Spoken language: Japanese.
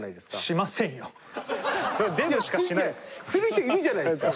する人いるじゃないですか。